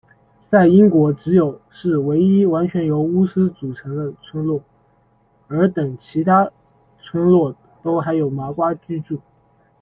在英国只有是唯一完全由巫师组成的村落，而等其他村落都还有麻瓜居住。